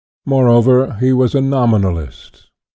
Moreover, he was a nomi nalist.